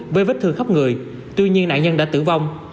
với vết thương khắp người tuy nhiên nạn nhân đã tử vong